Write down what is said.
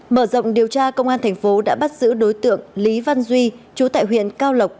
mở rộng điều tra công an thành phố đã bắt giữ đối tượng lý văn duy chú tại huyện cao lộc